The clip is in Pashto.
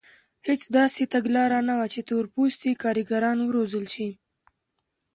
هېڅ داسې تګلاره نه وه چې تور پوستي کارګران وروزل شي.